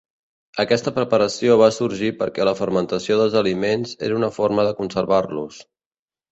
Aquesta preparació va sorgir perquè la fermentació dels aliments era una forma de conservar-los.